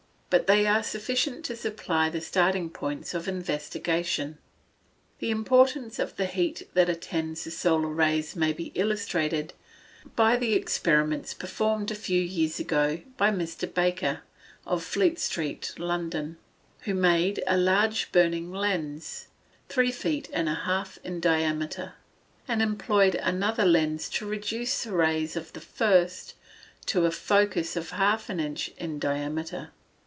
But they are sufficient to supply the starting points of investigation. The importance of the heat that attends the solar rays may be illustrated by the experiments performed a few years ago, by Mr. Baker, of Fleet street, London, who made a large burning lens, three feet and a half in diameter, and employed another lens to reduce the rays of the first to a focus of half an inch in diameter.